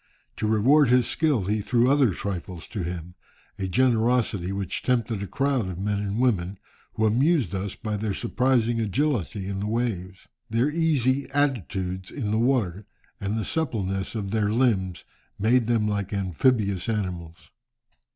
To reward his skill, he threw other trifles to him, a generosity which tempted a crowd of men and women, who amused us by their surprising agility in the waves. Their easy attitudes in the water, and the suppleness of their limbs, made them like amphibious animals."